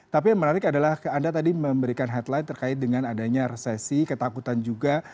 tapi yang menarik adalah anda tadi memberikan headline terkait dengan adanya resesi ketakutan juga